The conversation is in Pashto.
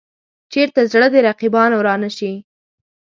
چېرته زړه د رقیبانو را نه شي.